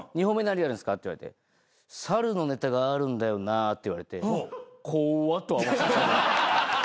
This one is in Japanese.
「２本目何やるんですか？」って言われて「猿のネタがあるんだよな」って言われて怖っ！とは思ってた。